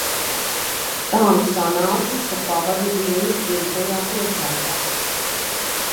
Tā nu sanācis, ka pavadu dienas dzimtajā pilsētā.